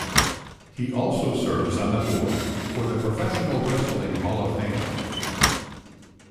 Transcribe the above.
He also serves on the board for the Professional Wrestling Hall of Fame.